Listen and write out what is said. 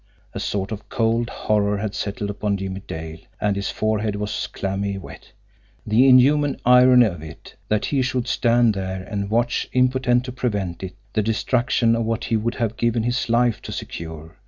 A sort of cold horror had settled upon Jimmie Dale, and his forehead was clammy wet. The inhuman irony of it! That he should stand there and watch, impotent to prevent it, the destruction of what he would have given his life to secure!